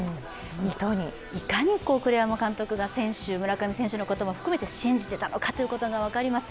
いかに栗山監督が村上選手のことを含めて選手を信じてたのかということが分かります。